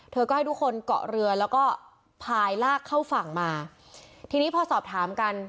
เธอก็ให้ทุกคนเกาะเรือแล้วก็พายลากเข้าฝั่งมาทีนี้พอสอบถามกัน